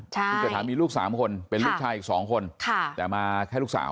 คุณเศรษฐามีลูก๓คนเป็นลูกชายอีก๒คนแต่มาแค่ลูกสาว